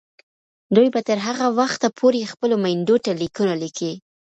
دوی به تر هغه وخته پورې خپلو میندو ته لیکونه لیکي.